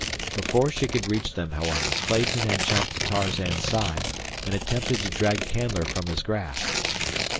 Before she could reach them, however, Clayton had jumped to Tarzan's side and attempted to drag Canler from his grasp.